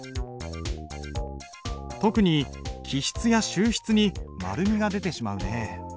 特に起筆や収筆に丸みが出てしまうねえ。